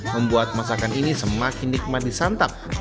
membuat masakan ini semakin nikmat disantap